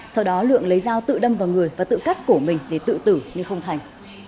sau đó lượng lấy dao tự đâm vào người và tự cắt cổ mình để tự tử nhưng không thành